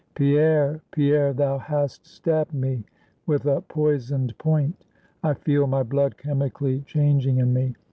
"Pierre, Pierre, thou hast stabbed me with a poisoned point. I feel my blood chemically changing in me.